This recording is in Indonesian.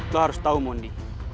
lo harus tahu mondi